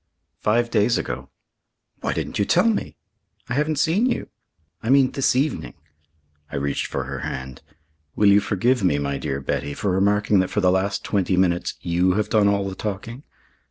"Five days ago." "Why didn't you tell me?" "I haven't seen you." "I mean this evening." I reached for her hand. "Will you forgive me, my dear Betty, for remarking that for the last twenty minutes you have done all the talking?"